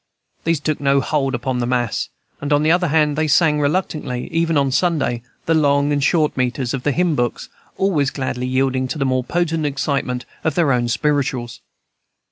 These took no hold upon the mass; and, on the other hand, they sang reluctantly, even on Sunday, the long and short metres of the hymn books, always gladly yielding to the more potent excitement of their own "spirituals."